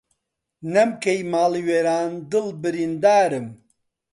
نەم کەی ماڵ وێران دڵ بریندارم